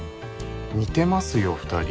似てますよ２人。